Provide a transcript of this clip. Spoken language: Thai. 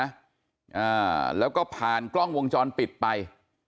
อ่าแล้วก็ผ่านกล้องวงจรปิดไป